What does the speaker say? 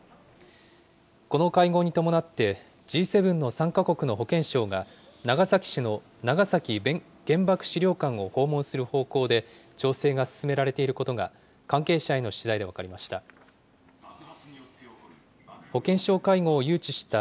この会合に伴って、Ｇ７の参加国の保健相が、長崎市の長崎原爆資料館を訪問する方向で調整が進められていることが、関係者への取材で分かりました。